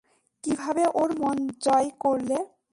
কীভাবে ওর মন জয় করলে?